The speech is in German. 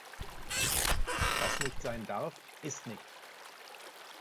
Was nicht sein darf, ist nicht!